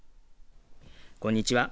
こんにちは。